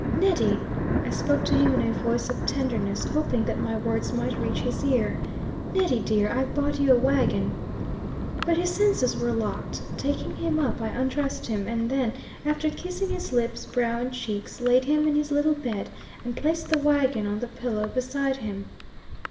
"Neddy!" I spoke to him in a voice of tenderness, hoping that my words might reach his ear, "Neddy, dear, I've bought you a wagon." But his senses were locked. Taking him up, I undressed him, and then, after kissing his lips, brow, and cheeks, laid him in his little bed, and placed the wagon on the pillow beside him.